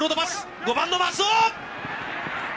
５番の舛尾。